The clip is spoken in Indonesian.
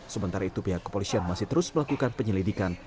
sementara itu pihak kepolisian masih terus melakukan penyelidikan